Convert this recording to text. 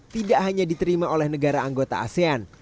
tidak hanya diterima oleh negara anggota asean